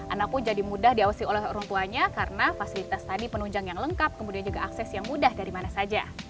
anakku jadi mudah diawasi oleh orang tuanya karena fasilitas tadi penunjang yang lengkap kemudian juga akses yang mudah dari mana saja